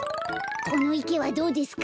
このいけはどうですか？